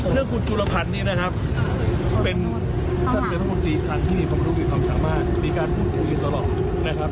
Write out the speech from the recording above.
เรื่องคุณจุลภัณฑ์นี้นะครับเป็นท่านวัฒนธรรมดีทางที่มีความสามารถมีการพูดคุยตลอดนะครับ